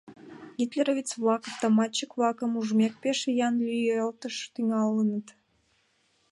Гитлеровец-влак, автоматчик-влакым ужмек, пеш виян лӱйылташ тӱҥалыныт.